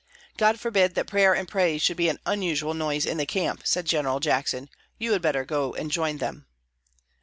"God forbid that prayer and praise should be an unusual noise in the camp," said General Jackson. "You had better go and join them."